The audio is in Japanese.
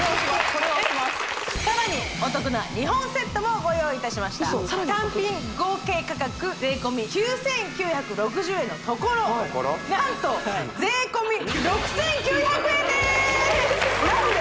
これは押しますさらにお得な２本セットもご用意いたしました単品合計価格税込９９６０円のところ何と何で？